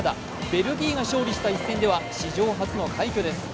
ベルギーが勝利した試合では史上初の快挙です。